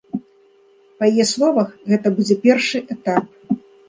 Па яе словах, гэта будзе першы этап.